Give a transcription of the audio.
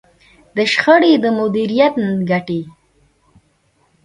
د شخړې د مديريت ګټې.